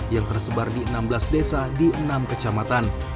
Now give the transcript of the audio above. yang tersebar di dalam rumah